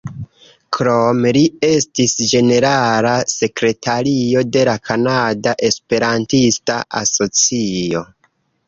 Krome, li estis ĝenerala sekretario de la Kanada Esperantista Asocio.